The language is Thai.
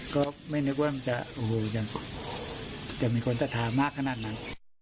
ก็ไม่นึกว่ามันจะโอ้โฮจะมีคนจะถามมากขนาดนั้น